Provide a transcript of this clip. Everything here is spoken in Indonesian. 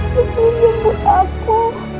maksudnya jemput aku